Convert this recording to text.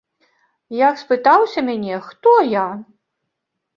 Як спытаўся мяне, хто я?